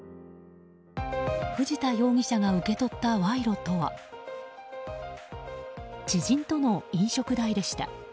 藤田容疑者が受け取った賄賂とは知人との飲食代でした。